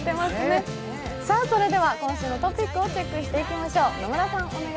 それでは今週のトピックをチェックしていきましょう。